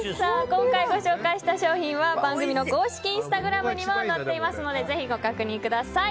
今回ご紹介した商品は番組の公式インスタグラムにも載っていますのでぜひご確認ください。